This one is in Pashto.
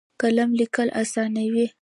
قلم لیکل اسانوي.